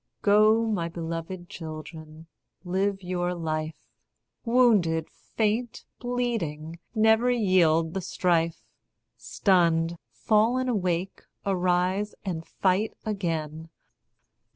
Go, my beloved children, live your life. Wounded, faint, bleeding, never yield the strife. Stunned, fallen awake, arise, and fight again.